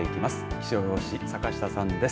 気象予報士坂下さんです。